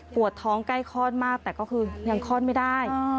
ปวดท้องใกล้คลอดมากแต่ก็คือยังคลอดไม่ได้